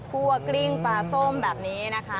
พวกกริ้งปลาส้มแบบนี้นะคะ